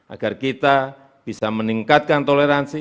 agar kita bisa meningkatkan toleransi